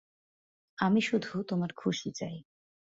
আমি শুধু তোমার খুশি চাই।